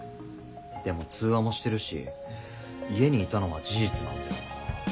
でも通話もしてるし家にいたのは事実なんだよな。